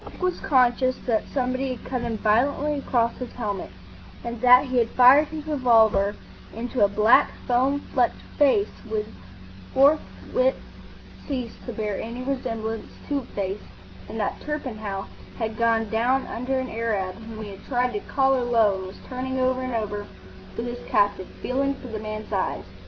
Dick was conscious that somebody had cut him violently across his helmet, that he had fired his revolver into a black, foam flecked face which forthwith ceased to bear any resemblance to a face, and that Torpenhow had gone down under an Arab whom he had tried to "collar low," and was turning over and over with his captive, feeling for the man's eyes.